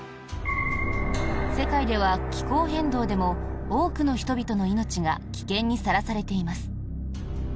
世界では気候変動でも多くの人々の命が危険にさらされています。